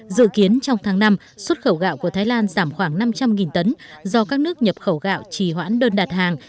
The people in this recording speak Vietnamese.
dự kiến trong tháng năm xuất khẩu gạo của thái lan giảm khoảng năm trăm linh tấn do các nước nhập khẩu gạo trì hoãn đơn đặt hàng